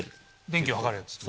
電気を計るやつ。